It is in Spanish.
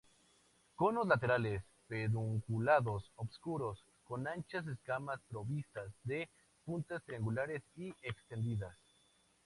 Conos laterales, pedunculados, obscuros, con anchas escamas provistas de puntas triangulares y extendidas.